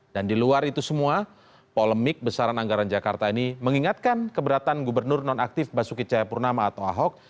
dan di luar itu semua polemik besaran anggaran jakarta ini mengingatkan keberatan gubernur nonaktif basuki cahayapurnama atau ahok